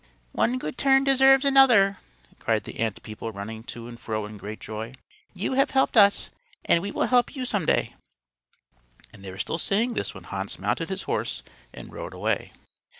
"One good turn deserves another," cried the ant people running to and fro in great joy. "You have helped us, and we will help you some day;" and they were still saying this when Hans mounted his horse and rode away.